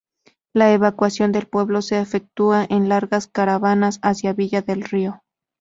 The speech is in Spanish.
La evacuación del pueblo se efectúa en largas caravanas hacia Villa del Río.